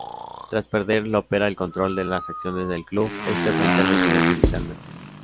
Tras perder Lopera el control de las acciones del club, este fue intervenido judicialmente.